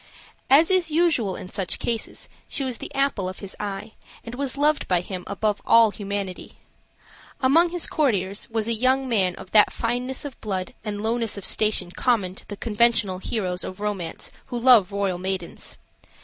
As is usual in such cases, she was the apple of his eye, and was loved by him above all humanity. Among his courtiers was a young man of that fineness of blood and lowness of station common to the conventional heroes of romance who love royal maidens.